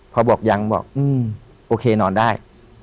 พอบอกยังบอกโอเคนอนได้